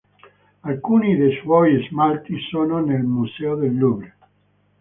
Alcuni dei suoi smalti sono nel Museo del Louvre.